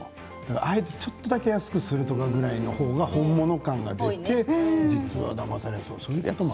あえてちょっとだけ安くするとかいうぐらいが本物感が出て実はだまされるとか。